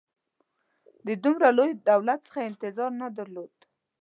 د دومره لوی دولت څخه یې انتظار نه درلود.